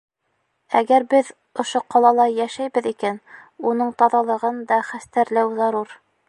Әгәр беҙ ошо ҡалала йәшәйбеҙ икән, уның таҙалығын да хәстәрләү зарур.